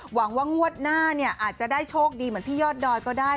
หวังว่างวดหน้าเนี่ยอาจจะได้โชคดีเหมือนพี่ยอดดอยก็ได้